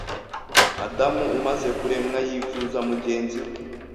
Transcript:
Adamu umaze kuremwa yifuza mugenzi we